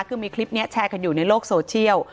คือมีคลิปนี้แชร์กันอยู่ในโลกโซเชียล